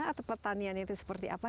atau pertanian itu seperti apa